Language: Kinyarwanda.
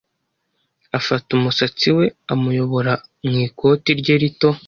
afata umusatsi we amuyobora mu ikoti rye rito